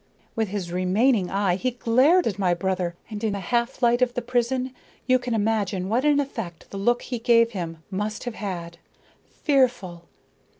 "With his remaining eye he glared at my brother, and in the half light of the prison you can imagine what an effect the look he gave him must have had fearful!